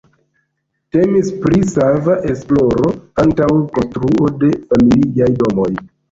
Temis pri sava esploro antaŭ konstruo de familiaj domoj.